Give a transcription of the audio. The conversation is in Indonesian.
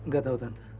gak tahu tante